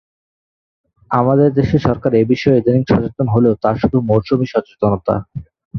আমাদের দেশের সরকার এ বিষয়ে ইদানীং সচেতন হলেও তা শুধু মৌসুমি সচেতনতা।